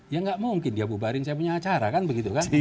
ya nggak mungkin dia bubarin saya punya acara kan begitu kan